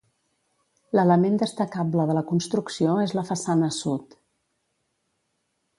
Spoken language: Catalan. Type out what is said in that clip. L'element destacable de la construcció és la façana sud.